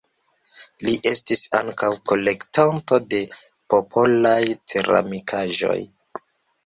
Li estis ankaŭ kolektanto de popolaj ceramikaĵoj.